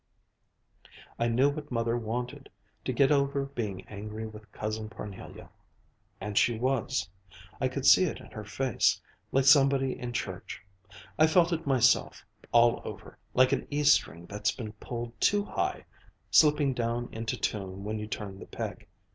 "I knew what Mother wanted, to get over being angry with Cousin Parnelia. And she was. I could see it in her face, like somebody in church. I felt it myself all over, like an E string that's been pulled too high, slipping down into tune when you turn the peg.